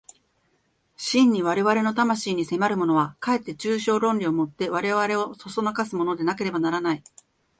真に我々の魂に迫るものは、かえって抽象論理を以て我々を唆すものでなければならない。